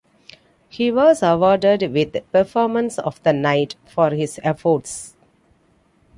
He was awarded with "Performance of the Night" for his efforts.